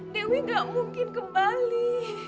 dewi gak mungkin kembali